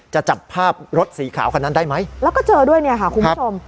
จะจับภาพรถสีขาวคันนั้นได้ไหมแล้วก็เจอด้วยเนี่ยค่ะคุณผู้ชม